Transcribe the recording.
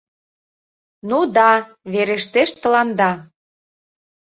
Ну да, верештеш тыланда!